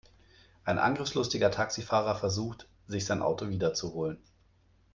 Ein angriffslustiger Taxifahrer versucht, sich sein Auto wiederzuholen.